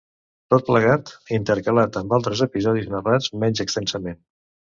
Tot plegat, intercalat amb altres episodis narrats menys extensament.